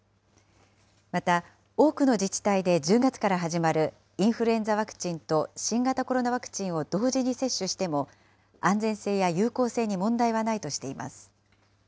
また、多くの自治体で１０月から始まるインフルエンザワクチンと新型コロナワクチンを同時に接種しても、安全性や有効性に問題はないとしています。